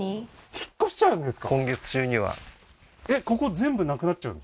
引っ越しちゃうんですか？